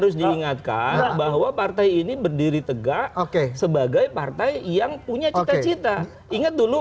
saya nggak ada debat itu